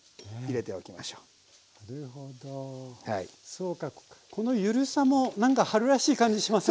そうかこのゆるさもなんか春らしい感じしません？